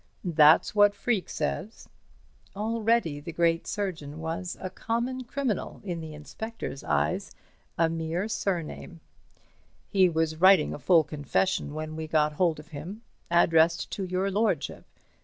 "That's what Freke says." Already the great surgeon was a common criminal in the inspector's eyes—a mere surname. "He was writing a full confession when we got hold of him, addressed to your lordship.